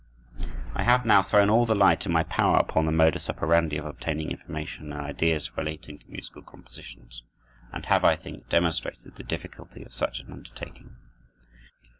I have now thrown all the light in my power upon the modus operandi of obtaining information and ideas relating to musical compositions, and have, I think, demonstrated the difficulty of such an undertaking.